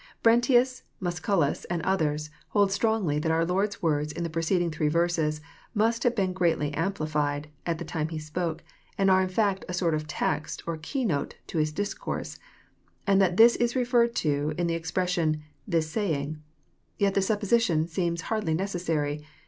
Brentins, Musculus, and others, hold strongly that our Lord's words in the preceding three verses must have been greatly amplified, at the time He spoke, and are in fact a sort of text or keynote to His discourse ; and that this is referred to in the expression, " this saying. " Yet the supposition seems hardly necessary.